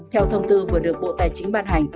theo thông tư vừa được bộ tài chính ban hành